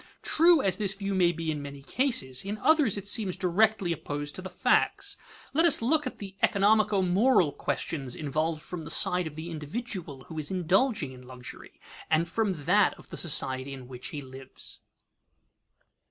True as this view may be in many cases, in others it seems directly opposed to the facts. Let us look at the economico moral questions involved from the side of the individual who is indulging in luxury, and from that of the society in which he lives.